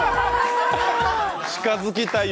「近づきたいよ